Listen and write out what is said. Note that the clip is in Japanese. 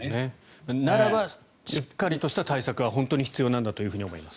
ならばしっかりとした対策が本当に必要なんだと思います。